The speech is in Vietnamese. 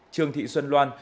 trường thị xuân loan